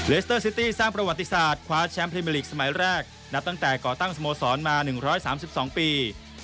สเตอร์ซิตี้สร้างประวัติศาสตร์คว้าแชมป์พรีเมอร์ลีกสมัยแรกนับตั้งแต่ก่อตั้งสโมสรมา๑๓๒ปี